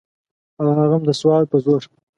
او هغه هم د سوال په زور.